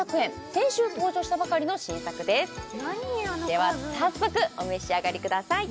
先週登場したばかりの新作ですでは早速お召し上がりください